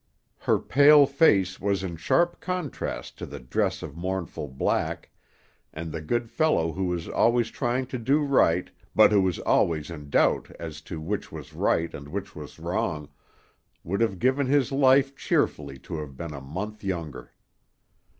Her pale face was in sharp contrast to the dress of mournful black, and the good fellow who was always trying to do right, but who was always in doubt as to which was right and which was wrong, would have given his life cheerfully to have been a month younger.